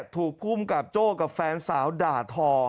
ถูกคุ้มกับโจ้กับแฟนสาวด่าทอ